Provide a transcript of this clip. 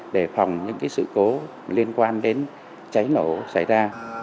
đề phòng những sự cố liên quan đến cháy nổ xảy ra